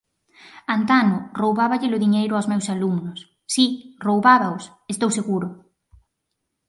Antano roubáballe-lo diñeiro ós meus alumnos; si, roubábaos; estou seguro.